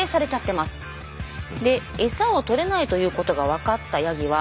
でエサをとれないということが分かったヤギは。